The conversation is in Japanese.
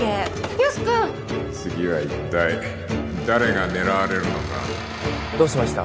ヤス君・次は一体誰が狙われるのかどうしました？